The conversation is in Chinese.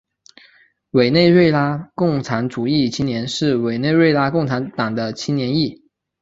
委内瑞拉共产主义青年是委内瑞拉共产党的青年翼。